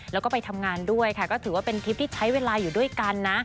แล้วก็ไปทำงานด้วยค่ะก็ถือว่าเป็นทริปที่ใช้เวลาอยู่ด้วยกันนะ